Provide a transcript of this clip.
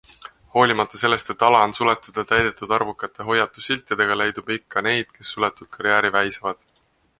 Hoolimata sellest, et ala on suletud ja täidetud arvukate hoiatussiltidega, leidub ikka neid, kes suletud karjääri väisavad.